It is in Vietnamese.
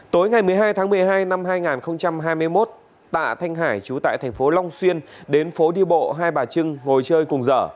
tối ngày một mươi hai tháng một mươi hai năm hai nghìn hai mươi một tạ thanh hải chú tại thành phố long xuyên đến phố đi bộ hai bà trưng ngồi chơi cùng dở